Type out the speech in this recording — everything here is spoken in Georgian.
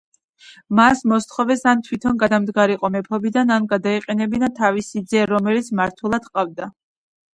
მათ მოსთხოვეს, ან თვითონ გადამდგარიყო მეფობიდან, ან გადაეყენებინა თავისი ძე, რომელიც თანამმართველად ჰყავდა.